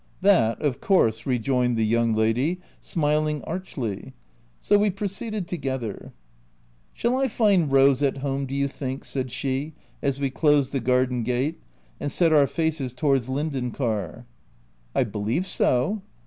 "That of course," rejoined the young lady, smiling archly. So we proceeded together. u Shall I find Rose at home, do you think ?" said she, as we closed the garden gate, and set our faces towards Linden car. M I believe so."